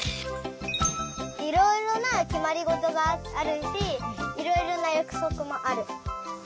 いろいろなきまりごとがあるしいろいろなやくそくもある。